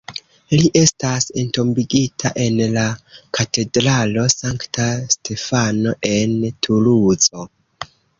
Li estas entombigita en la Katedralo Sankta Stefano en Tuluzo.